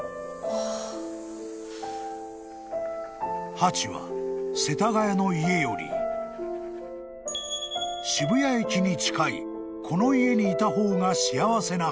［ハチは世田谷の家より渋谷駅に近いこの家にいた方が幸せなはず］